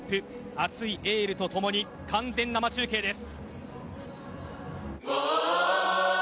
熱いエールとともに完全生中継です。